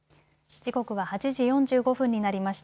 時刻は８時４５分になりました。